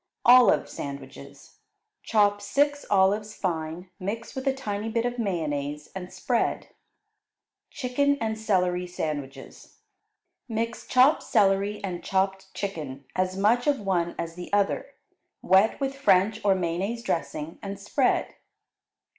Olive Sandwiches Chop six olives fine, mix with a tiny bit of mayonnaise and spread. Chicken and Celery Sandwiches Mix chopped celery and chopped chicken, as much of one as the other, wet with French or mayonnaise dressing and spread.